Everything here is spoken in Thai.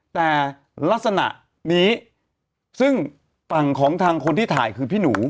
แต่ลักษณะนี้ซึ่งฝั่งของทางคนที่ถ่ายคือพี่หนู